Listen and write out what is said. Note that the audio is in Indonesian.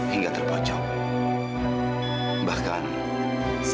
sengaja memaksakan angkot yang kamu tumbangkan itu